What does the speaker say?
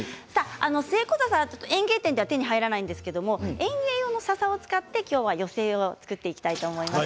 スエコザサは園芸店では手に入らないんですが園芸用のささを使って寄せ植えを作っていきたいと思います。